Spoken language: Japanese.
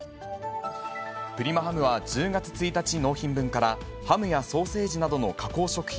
プリマハムは１０月１日納品分から、ハムやソーセージなどの加工食品